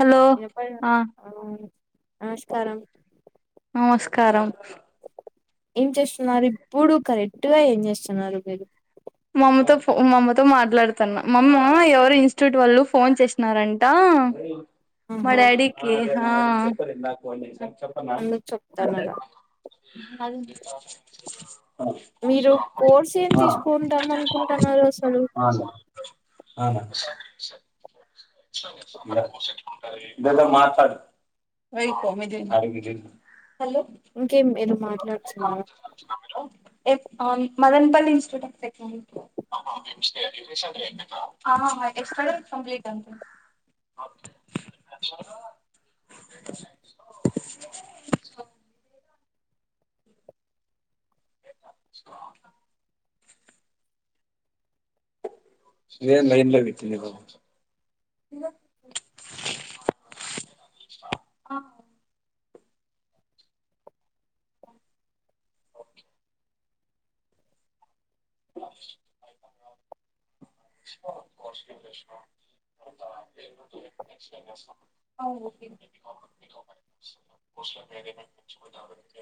Hello ఆ నమస్కారంారం నమస్కారం ఏం చేస్తున్నారు ఇప్పుడు కరెక్ట్ గా ఏం చేస్తున్నారు మీరు మ్మతోో మామ్మతో మాట్లాడుతున్నా మమ్మ ఎవరు ఇన్స్టిట్యూట్ వాళ్ళు ఫోన్ చేసినారంట మా ఆహా డాడీకి అందుకు చెప్తాన్నారా అది మీరు కోర్స్ ఏం తీసుకుంటాం అనుకుంటున్నారు అసలు అనా అనా ఇ మాట్లాడు యి కమిీదిిన క ఇంకేం మీరు మాట్లాడుతున్నారా [unintelligible] హలో మదన్పల్లి ఇన్స్టిట్యూట్ ఆఫ్ టె కంప్లీట్ అంత అ ఇదేం లైన్లో పెట్టింది బాబు ఆ [unintelligible] కాస్ట్ లీ రెస్టారెంట్స్ అవును మోస్ట్లీ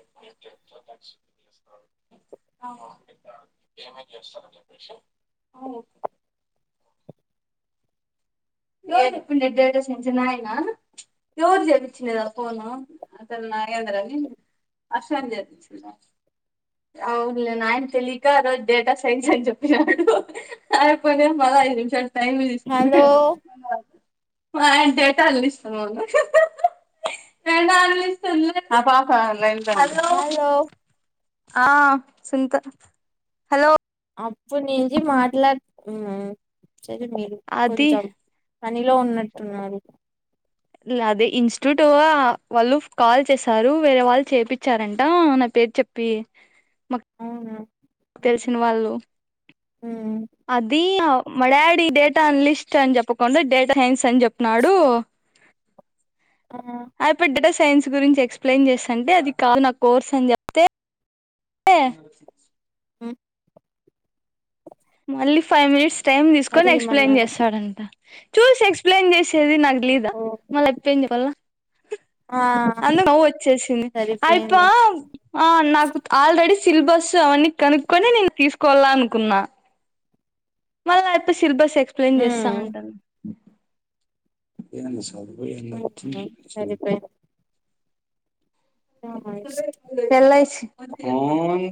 [unintelligible] ఆ ఆ ఓకే ఎవరు చెప్పిండు డేటా సైన్స్ నాయనా ఎవరు చేపించినది ఆ పోను నాగేంద్ర అని అవునులే నాయన తెలియక ఆ రోజు డేటా సైన్స్ అని చెప్పినాడు అ సరే అమ్మ ఐదు నిమిషాలు టైం తీసుకున్నా హలో మా నాయన డేటాల్ తీసుకొని పోయిండా డెటాల్ తీసుకొనిలే హలో ఉంది హలో అప్పుడి నుంచి మాట్లాడు ఉమ్ సరే మీరు అది కొంచెం పనిలో ఉన్నట్టున్నారు అదే ఇన్స్టిట్యూట్ వాళ్ళు కాల్ చేసారు వేరే వాళ్ళు చేపిచ్చారంట నా పేరు చెప్పి మాకు అవునా తెలిసిన వాళ్ళు ఉమ్ అది అ మా డాడీ డేటా అనలిస్ట్ అని చెప్పకుండా డేటాసైన్స్ అని చెప్పినాడు. ఆ ఆయాప్పి డేటా సైన్స్ గురించి ఎక్స్ప్లెయిన్ చేస్తాంటే అది కాదు నా కోర్స్ అని చెప్తే ఏ ఉ మళ్ళీ ఫైవ్ మినిట్స్ టైమ్ తీసుకొని మరి ఎక్స్ప్లెయిన్ ఏమన్నారు చేస్తాడంట. చూసి ఎక్స్ప్లెయిన్ చేసేది నాకు తేలీదా ఓ మళ్ల అప్పింది చెప్పాల ఆ అందుకు నవ్వు వచ్చేసింది అయిప్ప సరిపోయింది ఆ నాకు ఆల్రెడీ సిలబస్ అవన్నీ కనుక్కొని నేను తీసుకోవాల అనుకున్నా మళ్ళై అయాప్ప సిలబస్ ఎక్స్ప్లెయిన్ చేస్తా ఉమ్ అంటా ఉమ్, సరిపోయింది [unintelligible] ఎల్ ఐ సి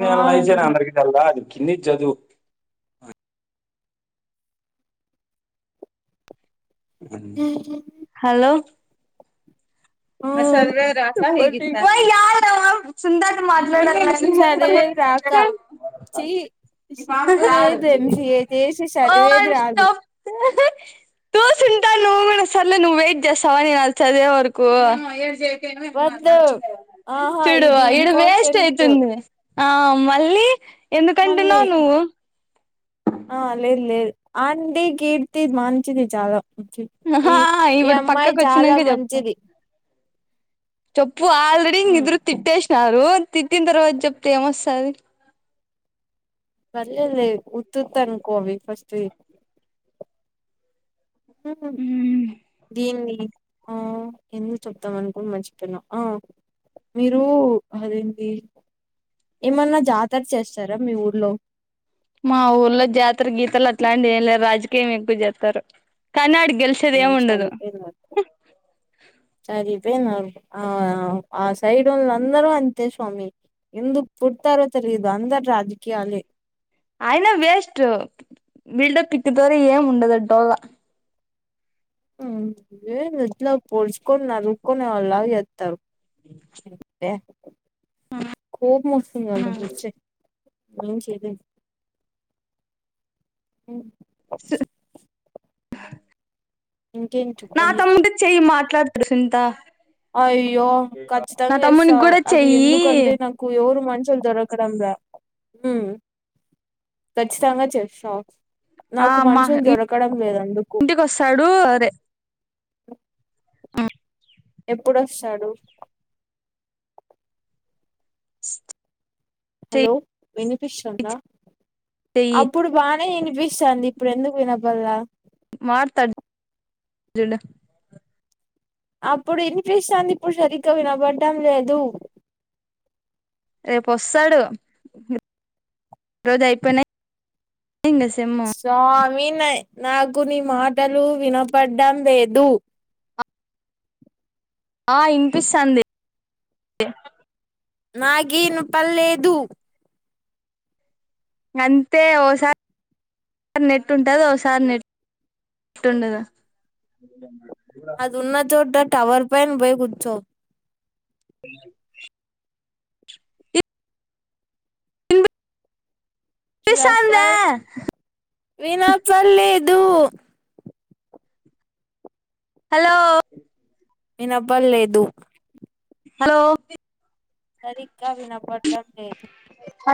ఆ కింది చదు హలో చెప్పండి అవా యాదిలే అవా సునితతో మాట చదివేది రాక చి [unintelligible] సిగ్గు లేదు ఎంసీఏ చేసి ఆ చదివేది నేను రాదు చెప్తే తూ సునీత నువ్వు కూడ సర్లే నువ్వు వైట్ చేస్తావ నేను అది చదివే వరకు వద్దు ఆహా చూడు ఇది ఈడ వేస్ట్ ఇంపార్టెంట్ అయితుంది ఆ మళ్ళీ మళ్ళీ ఎందుకంటున్నావు నువ్వు ఆ లేదు లేదు ఆంటీ కీర్తి మంచిది చాలా ఈ ఆహా ఈ ఇప్పుడు అమ్మాయి పక్కకు చాలా వచ్చినాక చెప్పు మంచిది చెప్పు ఆల్రెడీ ఇంగ ఇద్దరు తిట్టేస్ నారు తిట్టిన తర్వాత చెప్తే ఏమొస్తది లేదులే ఉత్తుత్తనుకో అవి ఫస్ట్ వి దీన్ని ఆ ఏందో చెప్దామనుకొని మర్చిపోయిన ఆ మీరు అదేంటి ఏమన్నా జాతర చేస్తారా మీ ఊర్లో మా ఊర్లో జాతర గీతరలు అట్లాంటివి ఏం లే రాజకీయం ఎక్కువ చేస్తారు కన్నాడి హు సరిపోయింది మొత్తం సరి [unintelligible] ఆ ఆ సైడ్ వాళ్లందరూ అంతే స్వామి. ఎందుకు పుట్టారో తెలియదు అందరూ రాజకీయాలే. అయినా వేస్ట్ బిల్డపిత్తే దోర ఏం ఉండదాడ డొల్ల. ఏ ఎట్లా పొడుచుకొని నరుక్కునే వాళ్ళా చే. యెబ్బే కోపం వస్తుంది ఆళ్ళని చూస్తే. ఏం చేయలేము. [inaudible] ఇంకేం నా చెప్పండి తమ్ముడికి చెయ్యి మాట్లాడతాడు సునీతా. అయ్యో ఖచ్చితంగా చేస్తా తమ్మునికి కూడా అది చెయ్యి ఎందుకంటే నాకు ఎవరు మ కొంచెం దొరకడంలా కచ్చితంగా చేస్తా. ఆ నాకు మా మనుషులు దొరకడం లేదందుకు. ఇంటికి వస్తాడు మ్ ఎప్పుడొస్తాడు. హలో! చెయ్యి వినిపిస్తుందా చెయ్యి అప్పుడు బానే వినిపిస్తాంది ఇప్పుడు ఎందుకు వినపల్లే మార్తాడు. అప్పుడు వినిపిస్తాంది. ఇప్పుడు సరిగ్గా వినబడ్డం లేదు. రేపు వస్తాడు ఈ రోజు అయిపోయినాయి. ఇంగ సెమ్ము స్వామి నాకు నీ మాటలు వినపడ్డం లేదు. ఆ ఇనిపిస్తాంది. నాకి ఇనపలేదు. అంతే ఓసారి ఓ సారి నెట్ ఉంటది ఒకసారి నెట్ నెట్ ఉండదు. అదున్న చోట టవర్ పైన పోయికూచ్చో. [unintelligible] ఇనిపిస్తాందా మెగాస్టార్ వినపడలేదు. హలో! వినపడలేదు. హలో! సరిగ్గా వినపడ్డం లేదు.